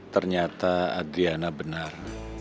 ternyata adriana benar